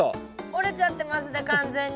折れちゃってますね